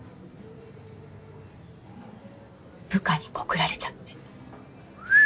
部下にコクられちゃって。